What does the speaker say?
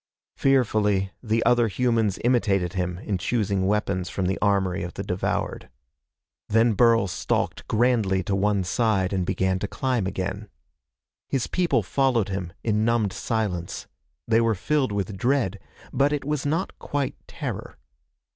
Fearfully, the other humans imitated him in choosing weapons from the armory of the devoured. Then Burl stalked grandly to one side and began to climb again. His people followed him in numbed silence. They were filled with dread, but it was not quite terror.